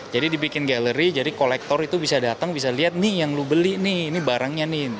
jadi dibikin galeri jadi kolektor itu bisa datang bisa lihat nih yang lu beli nih ini barangnya nih